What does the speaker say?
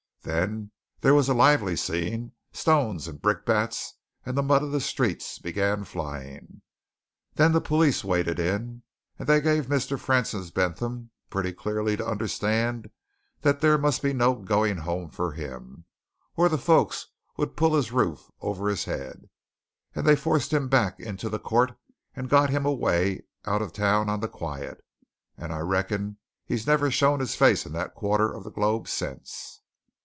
Then there was a lively scene stones and brickbats and the mud of the street began flying. Then the police waded in and they gave Mr. Francis Bentham pretty clearly to understand that there must be no going home for him, or the folks would pull his roof over his head. And they forced him back into the court, and got him away out of the town on the quiet and I reckon he's never shown his face in that quarter of the globe since."